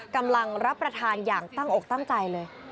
กำลังรับประทานอย่างตั้งอกตั้งใจเลย